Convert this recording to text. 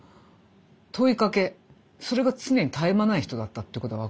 問いかけそれが常に絶え間ない人だったってことが分かるんですよね。